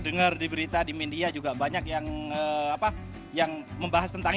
dengar di berita di media juga banyak yang apa yang membahas tentang